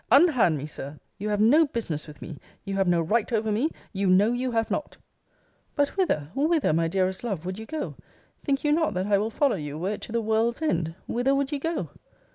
Unhand me, Sir! You have no business with me! You have no right over me! You know you have not. But whither, whither, my dearest love, would you go! Think you not that I will follow you, were it to the world's end! Whither would you go?